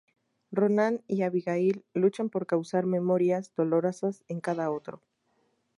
Ronan y Abigail luchan por causar memorias dolorosas en cada otro.